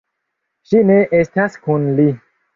Ŝi ne estas kun li.